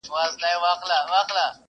سم روان سو د خاوند د خوني خواته!!